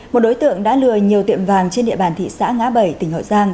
một đối tượng đã lừa nhiều tiệm vàng trên địa bàn thị xã ngã bảy tỉnh hậu giang